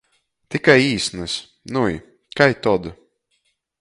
Tikai īsnys, nui, kai tod!